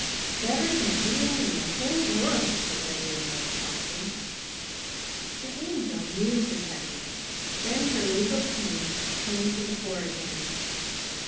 "Better than anyone in the whole world," said Lady O'More promptly. The Angel mused a second, and then her legal tinge came to the fore again.